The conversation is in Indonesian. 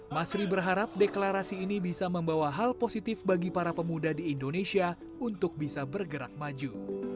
masri berharap deklarasi ini bisa membawa hal positif bagi para pemuda di indonesia untuk bisa bergerak maju